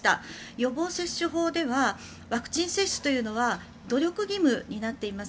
予防接種法ではワクチン接種というのは努力義務になっています。